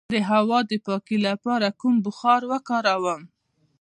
د هوا د پاکوالي لپاره کوم بخار وکاروم؟